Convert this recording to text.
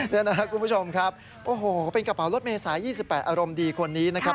นี่นะครับคุณผู้ชมครับโอ้โหเป็นกระเป๋ารถเมษาย๒๘อารมณ์ดีคนนี้นะครับ